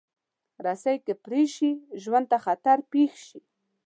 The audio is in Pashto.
رسۍ که پرې شي، ژوند ته خطر پېښ شي.